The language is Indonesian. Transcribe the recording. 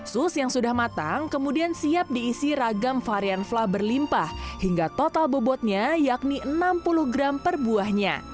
sus yang sudah matang kemudian siap diisi ragam varian flah berlimpah hingga total bobotnya yakni enam puluh gram per buahnya